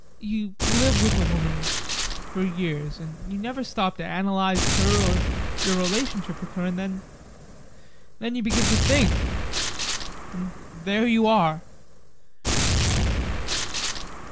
You live with a woman for years, and you never stop to analyse her, or your relationship with her, and then then you begin to think and there you are!